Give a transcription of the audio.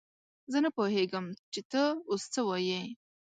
زه نه پوهېږم چې ته اوس څه وايې!